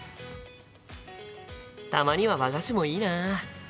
たまには和菓子もいいな。